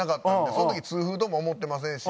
その時痛風とも思ってませんし。